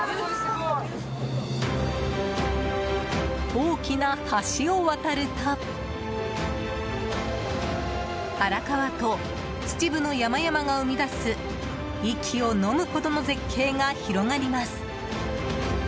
大きな橋を渡ると荒川と、秩父の山々が生み出す息をのむほどの絶景が広がります。